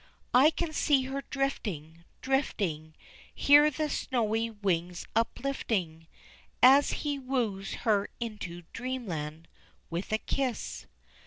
I can see her drifting, drifting Hear the snowy wings uplifting, As he woos her into dreamland, With a kiss.